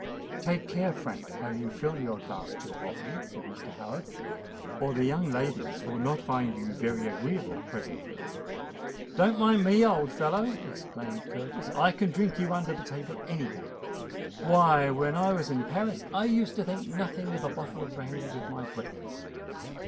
"Take care, Frank, how you fill your glass too often," said Mr. Howard; "or the young ladies will not find you very agreeable presently." "Don't mind me, old fellow," exclaimed Curtis: "I can drink you under the table any day. Why, when I was in Paris I used to think nothing of a bottle of brandy with my breakfast.